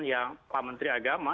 yang pak menteri agama